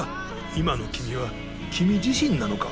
今の君は君自身なのか？